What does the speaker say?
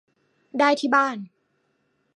ได้ที่บ้าน